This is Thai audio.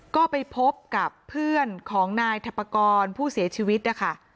ก็ไปพบกับเพื่อนของนายถัปกรณ์ผู้เสียชีวิตนะคะ